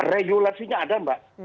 regulasinya ada mbak